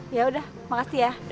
ya udah makasih ya